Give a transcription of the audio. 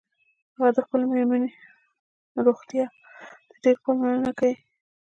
هغه د خپلې میرمنیروغتیا ته ډیره پاملرنه کوي